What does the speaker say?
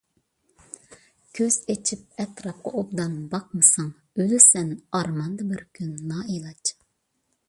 كۆز ئېچىپ ئەتراپقا ئوبدان باقمىساڭ، ئۆلىسەن ئارماندا بىر كۈن نائىلاج.